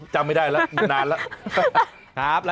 แต่ไม่ได้ละอยู่นานละ